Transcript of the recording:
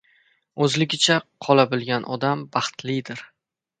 O‘zligicha qola bilgan odam baxtlidir.